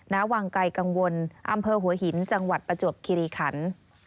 ณวังไกลกังวลอำเภอหัวหินจังหวัดประจวบคิริขัน